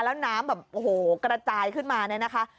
แล้วน้ำแบบโอ้โหกระจายขึ้นมาเนี่ยนะคะ